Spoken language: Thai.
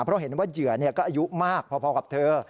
เพราะเห็นว่าเหยื่อก็อายุมากพอกับเธอ